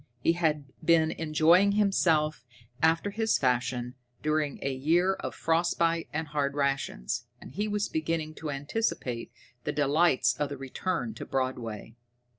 He had been enjoying himself after his fashion during a year of frostbites and hard rations, and he was beginning to anticipate the delights of the return to Broadway.